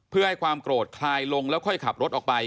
เพื่อให้ความโกรธคลายลงแล้วค่อยขับรถออกไป